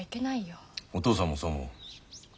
お父さんもそう思う。